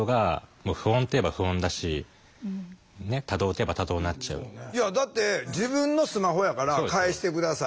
やばくてだからいやだって自分のスマホやから返して下さい。